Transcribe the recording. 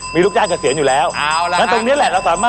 มีลูกจ้างเกษียณอยู่แล้วเอาละงั้นตรงนี้แหละเราสามารถ